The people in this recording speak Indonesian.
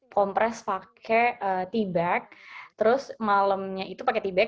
kompres pakai tea bag terus malamnya itu pakai tea bag